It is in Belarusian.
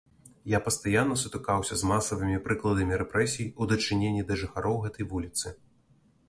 Я пастаянна сутыкаўся з масавымі прыкладамі рэпрэсій у дачыненні да жыхароў гэтай вуліцы.